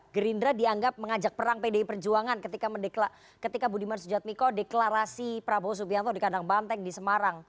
gerindra dianggap mengajak perang pdi perjuangan ketika budiman sujadmiko deklarasi prabowo subianto di kandang banteng di semarang